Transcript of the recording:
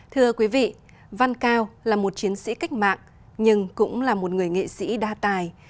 thưa quý vị văn cao là một chiến sĩ cách mạng nhưng cũng là một người nghệ sĩ đa tài